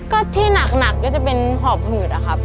ก็ที่หนักก็จะเป็นหอบหืดอะครับ